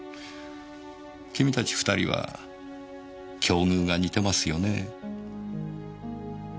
君たち２人は境遇が似てますよね。